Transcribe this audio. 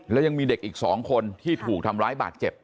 แล้วยังมีเด็กอีก๒คนที่ถูกทำร้ายบาดเจ็บ